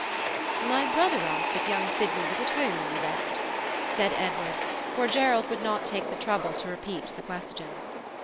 "My brother asked if young Sydney was at home when you left," said Edward, for Gerald would not take the trouble to repeat the question.